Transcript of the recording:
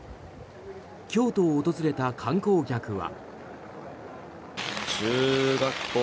京都を訪れた観光客は。